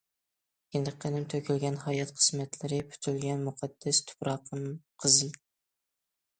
كىندىك قېنىم تۆكۈلگەن، ھايات قىسمەتلىرى پۈتۈلگەن مۇقەددەس تۇپراقمۇ قىزىل.